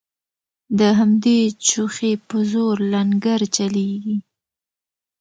د همدې چوخې په زور لنګرچلیږي